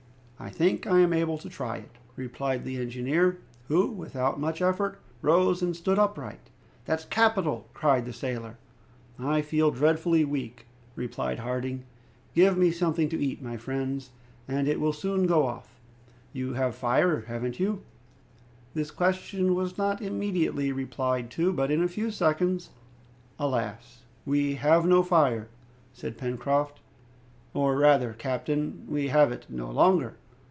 "I think I am able to try it," replied the engineer, who, without much effort, rose and stood upright. "That's capital!" cried the sailor. "I feel dreadfully weak," replied Harding. "Give me something to eat, my friends, and it will soon go off. You have fire, haven't you?" This question was not immediately replied to. But, in a few seconds "Alas! we have no fire," said Pencroft, "or rather, captain, we have it no longer!"